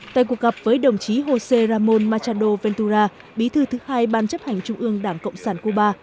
tại cuộc gặp với đồng chí jose ramon machado ventura bí thư thứ hai ban chấp hành trung ương đảng cộng sản cuba